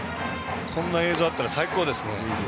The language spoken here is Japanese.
こんな映像あったら最高ですね。